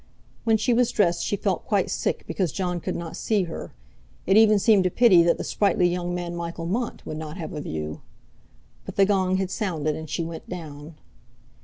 When she was dressed she felt quite sick because Jon could not see her; it even seemed a pity that the sprightly young man Michael Mont would not have a view. But the gong had sounded, and she went down.